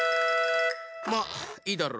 まいいだろ。